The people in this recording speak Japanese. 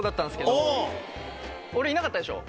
俺いなかったでしょ。